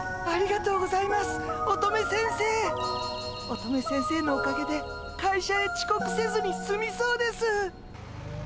乙女先生のおかげで会社へちこくせずにすみそうです。